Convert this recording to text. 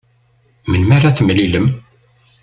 Melmi ara temlilem?